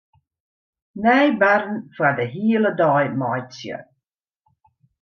Nij barren foar de hiele dei meitsje.